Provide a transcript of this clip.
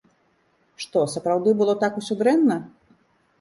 Што, сапраўды, было так усё дрэнна?